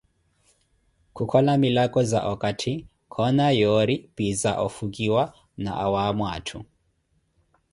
Kukhola milako za okatti, koona yoori pi za ofukiwa na awaamo atthu.